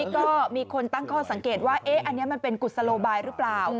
ก็มีคนตั้งข้อสังเกตว่าอันนี้มันเป็นกุศโลบายหรือเปล่า